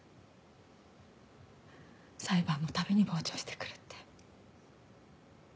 裁判の度に傍聴してくるって。